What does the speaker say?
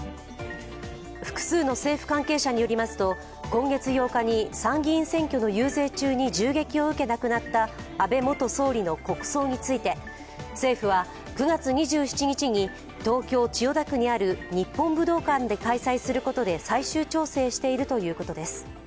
複数の政府関係者によりますと、今月８日に参議院選挙の遊説中に銃撃を受け亡くなった安倍元総理の国葬について、政府は９月２７日に東京・千代田区にある日本武道館で開催することで最終調整しているということです。